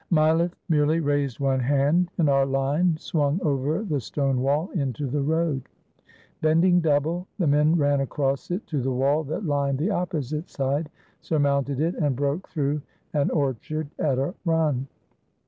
Mileff merely raised one hand, and our line swung over the stone wall into the road. Bending double, the men ran across it to the wall that Uned the opposite side, surmounted it, and broke through an orchard at a run.